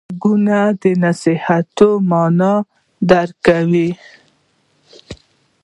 غوږونه د نصیحت معنی درک کوي